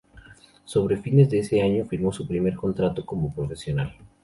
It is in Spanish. Sobre fines de año firmó su primer contrato como profesional.